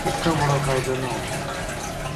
اتنو بڑو فائدو نہ ہوتو